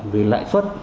vì lãi suất